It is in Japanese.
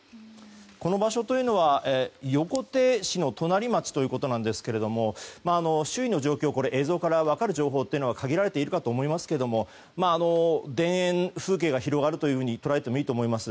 この場所は横手市の隣町ということですが周囲の状況、周りの状況から分かることは限られていると思いますが田園風景が広がると捉えてもいいと思います。